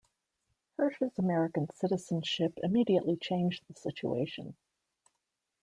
Hirsch's American citizenship immediately changed the situation.